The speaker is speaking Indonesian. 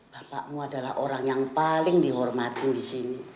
bapakmu adalah orang yang paling dihormati di sini